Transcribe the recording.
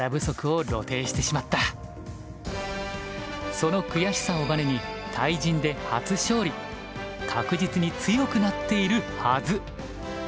その悔しさをバネに確実に強くなっているはず。